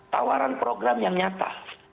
tawaran program yang nyata